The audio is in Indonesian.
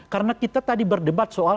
karena kita tadi berdebat soal